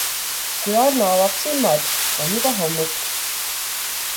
Kui Arno avab silmad, on juba hommik.